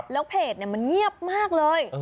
แล้วเพจมันเงียบมากเลย